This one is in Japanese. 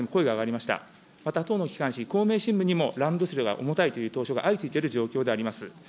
また、党の機関紙、公明新聞にも、ランドセルが重たいという投書が相次いでいる状況でございます。